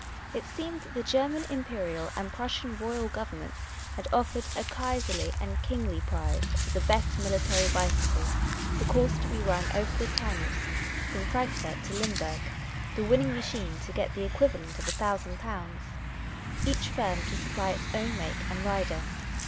It seemed that the Ger man Imperial and Prussian Royal Governments had offered a Kaiserly and Kingly prize for the best military bicycle ; the course to be run over the Taunus, from Frankfort to Limburg ; the winning machine to get the equivalent of a thousand pounds ; each firm to supply its own make and rider.